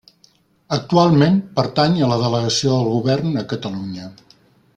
Actualment pertany a la Delegació del Govern a Catalunya.